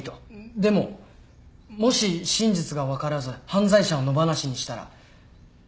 でももし真実が分からず犯罪者を野放しにしたら。